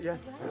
iya yuk ya